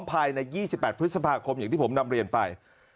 ภายใน๒๘พฤศพาคมที่ผมนำเรียนไป